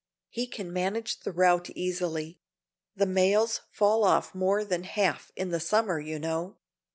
He can manage the route easily; the mails fall off more than half in the summer, you know."